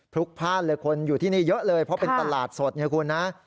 ลุกพลาดเลยคนอยู่ที่นี่เยอะเลยเพราะเป็นตลาดสดไงคุณนะ